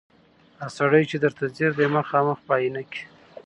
دا سړی چي درته ځیر دی مخامخ په آیینه کي